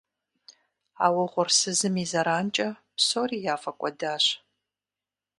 А угъурсызым и зэранкӏэ псори яфӏэкӏуэдащ.